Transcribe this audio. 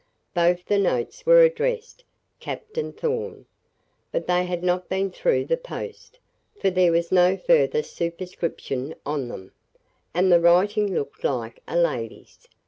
Both the notes were addressed "Captain Thorn." But they had not been through the post, for there was no further superscription on them; and the writing looked like a lady's.